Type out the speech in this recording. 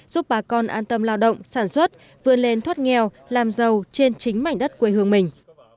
giúp bà con an tâm lao động sản xuất vươn lên thoát nghèo làm giàu trên chính mảnh đất quê hương mình